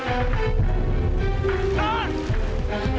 aku di sini mas